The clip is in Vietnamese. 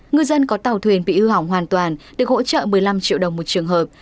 ngư dân có tàu thuyền bị hư hỏng hoàn toàn được hỗ trợ một mươi năm triệu đồng một trường hợp